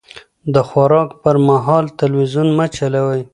د خوراک پر مهال تلويزيون مه چلوئ.